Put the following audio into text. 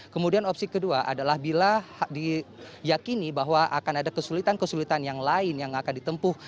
kemudian opsi kedua adalah bila diyakini bahwa akan ada kesulitan kesulitan yang lain yang akan ditempuh